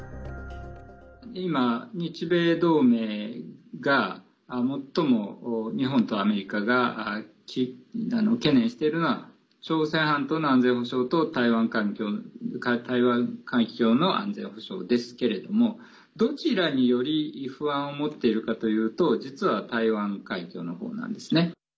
今、日米同盟が最も日本とアメリカが懸念しているのは朝鮮半島の安全保障と台湾海峡の安全保障ですけれどもどちらにより不安を持っているかというと実は、台湾海峡のほうなんですね。